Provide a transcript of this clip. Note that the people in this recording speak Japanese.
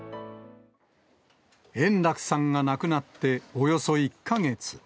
円楽さんが亡くなっておよそ１か月。